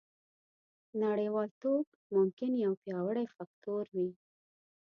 نړیوالتوب ممکن یو پیاوړی فکتور وي